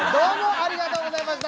ありがとうギョざいました。